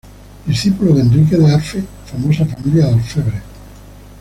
Discípulo de Enrique de Arfe, famosa familia de orfebres.